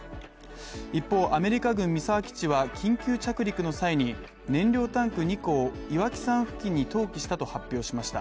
一方アメリカ軍三沢基地は緊急着陸の際に燃料タンク２個を投棄したと発表しました。